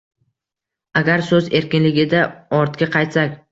«Agar so‘z erkinligida ortga qaytsak